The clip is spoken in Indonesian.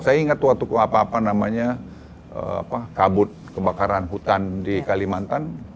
saya ingat waktu apa apa namanya kabut kebakaran hutan di kalimantan